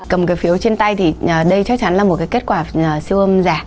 cầm cái phiếu trên tay thì đây chắc chắn là một cái kết quả siêu âm giả